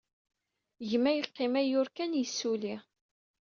Gma yeqqim ayyur kan, yessulli.